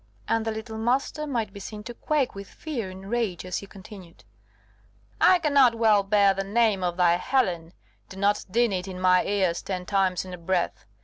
And the little Master might be seen to quake with fear and rage as he continued: "I cannot well bear the name of thy Helen; do not din it in my ears ten times in a breath.